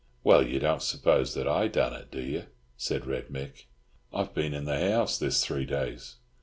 "Well, you don't suppose that I done it, do you?" said Red Mick. "I've been in the house this three days.